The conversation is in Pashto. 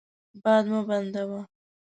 باد مه بندوه.